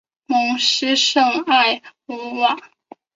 蒙希圣埃卢瓦。